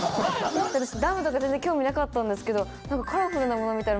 私ダムとか全然興味なかったんですけど。